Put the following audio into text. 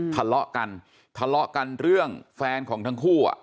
ทะเลาะกันทะเลาะกันเรื่องแฟนของทั้งคู่